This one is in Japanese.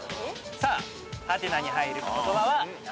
さあ「？」に入る言葉は何でしょう？